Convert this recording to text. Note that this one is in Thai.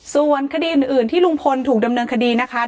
ส่วนคดีอื่นที่ลุงพลถูกดำเนินคดีนะคะ